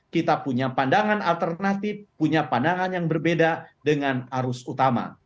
kita punya pandangan alternatif punya pandangan yang berbeda dengan arus utama